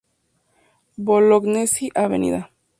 Bolognesi, Av.